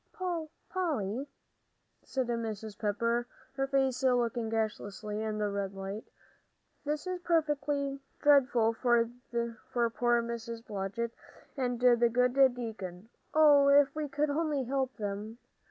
"Polly," said Mrs. Pepper, her face looking ghastly in the red light, "this is perfectly dreadful for poor Mrs. Blodgett and the good deacon. Oh, if we could only help them!"